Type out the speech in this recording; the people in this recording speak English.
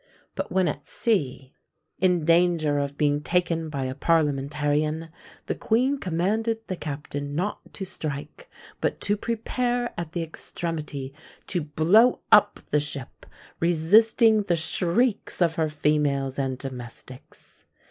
But when at sea, in danger of being taken by a parliamentarian, the queen commanded the captain not to strike, but to prepare at the extremity to blow up the ship, resisting the shrieks of her females and domestics.